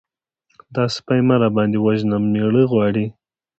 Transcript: _دا سپۍ مه راباندې وژنه! مېړه غواړي.